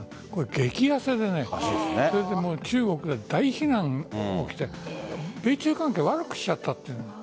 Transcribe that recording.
激痩せで中国で大批判が起きて米中関係を悪くしちゃったと。